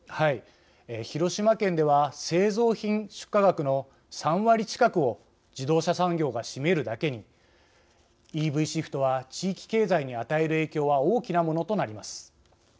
広島県では製造品出荷額の３割近くを自動車産業が占めるだけにＥＶシフトが地域経済に与える影響は大きなものとなります。